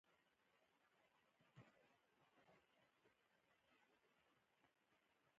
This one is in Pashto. د موټر انجن پاک ساتل د اوږد عمر سبب دی.